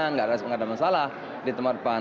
nggak ada masalah di tempat depan